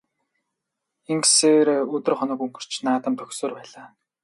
Ингэсээр өдөр хоног өнгөрч наадам дөхсөөр байлаа.